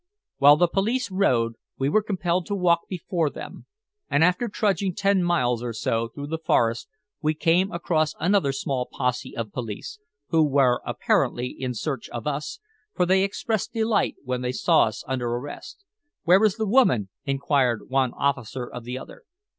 While the police rode, we were compelled to walk before them, and after trudging ten miles or so through the forest we came across another small posse of police, who were apparently in search of us, for they expressed delight when they saw us under arrest. "Where is the woman?" inquired one officer of the other.